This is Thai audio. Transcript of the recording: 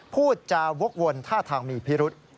พูดจาวกวนท่าทางมีพิรุษ